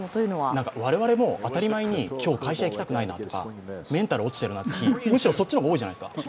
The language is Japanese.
我々も当たり前に会社行きたくないなってときとかメンタル落ちてるなという日、むしろそっちの方が多いじゃないですか。